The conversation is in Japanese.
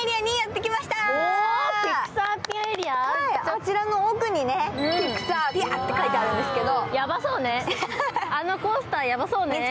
あちらの奥にピクサー・ピアって書いてあるんですけど。